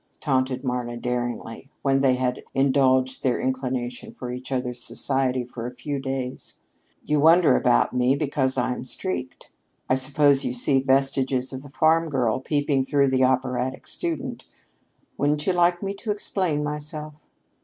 taunted Marna daringly, when they had indulged their inclination for each other's society for a few days. "You wonder about me because I'm so streaked. I suppose you see vestiges of the farm girl peeping through the operatic student. Wouldn't you like me to explain myself?"